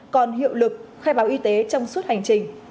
còn hiệu lực khai báo y tế trong suốt hành trình